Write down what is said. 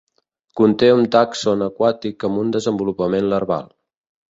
Conté un tàxon aquàtic amb un desenvolupament larval.